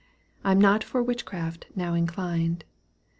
I'm not for witchcraft now inclined.